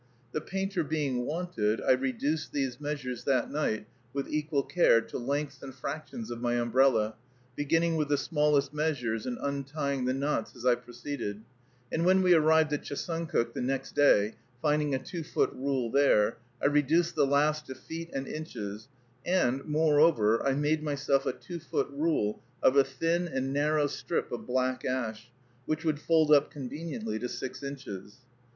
The painter being wanted, I reduced these measures that night with equal care to lengths and fractions of my umbrella, beginning with the smallest measures, and untying the knots as I proceeded; and when we arrived at Chesuncook the next day, finding a two foot rule there, I reduced the last to feet and inches; and, moreover, I made myself a two foot rule of a thin and narrow strip of black ash, which would fold up conveniently to six inches.